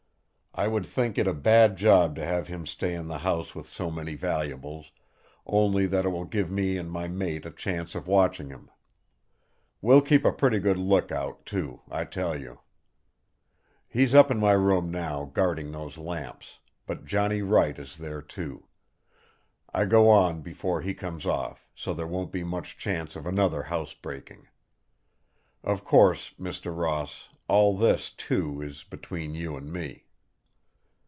I would think it a bad job to have him stay in the house with so many valuables, only that it will give me and my mate a chance of watching him. We'll keep a pretty good look out, too, I tell you. He's up in my room now, guarding those lamps; but Johnny Wright is there too. I go on before he comes off; so there won't be much chance of another house breaking. Of course, Mr. Ross, all this, too, is between you and me."